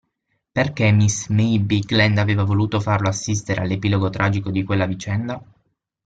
Perché miss May Bigland aveva voluto farlo assistere all'epilogo tragico di quella vicenda?